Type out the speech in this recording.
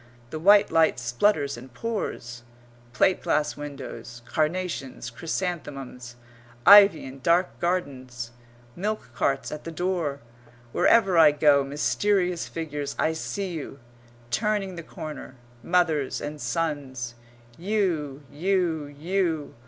The white light splutters and pours. Plate glass windows. Carnations; chrysanthemums. Ivy in dark gardens. Milk carts at the door. Wherever I go, mysterious figures, I see you, turning the corner, mothers and sons; you, you, you.